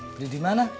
beli di mana